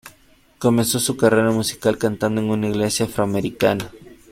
Comenzó su carrera musical cantando en una iglesia afroamericana.